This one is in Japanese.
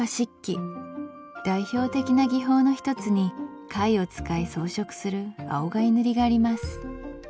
代表的な技法の一つに貝を使い装飾する青貝塗があります